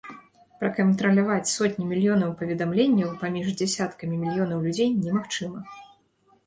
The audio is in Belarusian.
Пракантраляваць сотні мільёнаў паведамленняў паміж дзясяткамі мільёнаў людзей немагчыма.